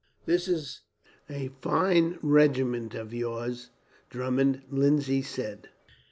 "That is a fine regiment of yours, Drummond," Lindsay said.